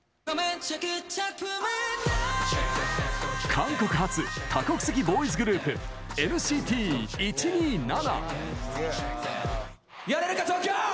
韓国発多国籍ボーイズグループＮＣＴ１２７。